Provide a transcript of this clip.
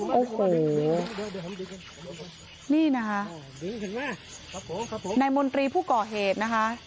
โอ้โหนี่นะคะดึงถึงมาครับผมครับผมนายมนตรีผู้ก่อเหตุนะคะ